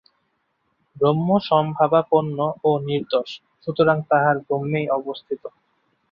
ব্রহ্ম সমভাবাপন্ন ও নির্দোষ, সুতরাং তাঁহারা ব্রহ্মেই অবস্থিত।